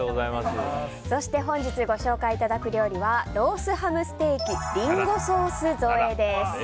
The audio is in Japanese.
そして本日ご紹介いただく料理はロースハムステーキリンゴソース添えです。